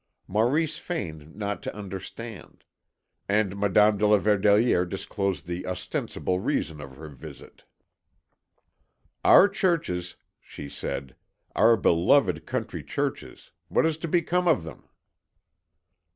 Maurice feigned not to understand. And Madame de la Verdelière disclosed the ostensible reason of her visit. "Our churches," she said, "our beloved country churches, what is to become of them?"